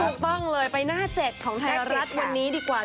ถูกต้องเลยไปหน้า๗ของไทยรัฐวันนี้ดีกว่า